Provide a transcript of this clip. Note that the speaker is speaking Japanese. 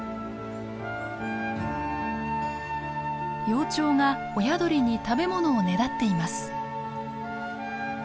幼鳥が親鳥に食べ物をねだっています。